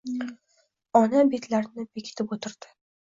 Ona betlarini bekitib o‘tirdi.